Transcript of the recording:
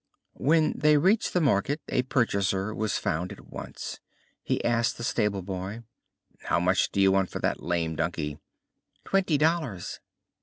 When they reached the market a purchaser was found at once. He asked the stable boy: "How much do you want for that lame donkey?" "Twenty dollars."